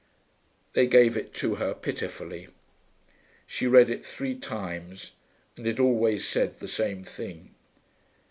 They gave it her, pitifully. She read it three times, and it always said the same thing.